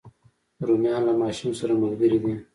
رومیان له ماشوم سره ملګري دي